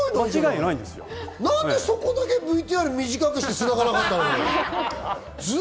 なんでそこだけＶＴＲ短くしてつながなかったのよ！